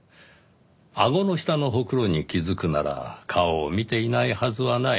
あごの下のほくろに気づくなら顔を見ていないはずはない。